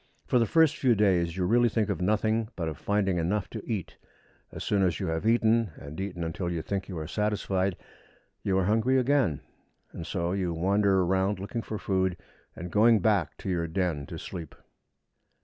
For the first few days you really think of nothing but of finding enough to eat. As soon as you have eaten, and eaten until you think you are satisfied, you are hungry again; and so you wander round looking for food, and going back to your den to sleep.